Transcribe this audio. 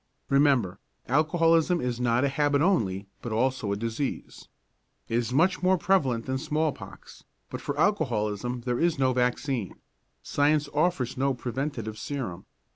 Remember, alcoholism is not a habit only, but also a disease. It is much more prevalent than smallpox, but for alcoholism there is no vaccine; science offers no preventive serum.